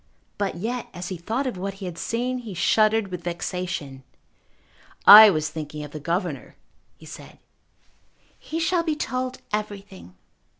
But yet, as he thought of what he had seen, he shuddered with vexation. "I was thinking of the governor," he said. "He shall be told everything."